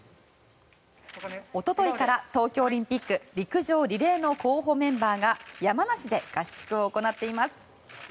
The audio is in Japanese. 一昨日から東京オリンピック、陸上リレーの候補メンバーが山梨で合宿を行っています。